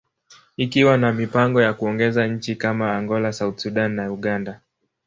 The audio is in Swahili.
ikiwa na mipango ya kuongeza nchi kama Angola, South Sudan, and Uganda.